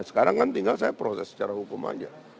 sekarang kan tinggal saya proses secara hukum aja